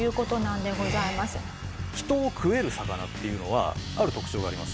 人を食える魚っていうのはある特徴があります。